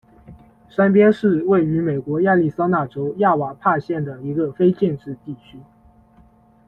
山边是位于美国亚利桑那州亚瓦派县的一个非建制地区。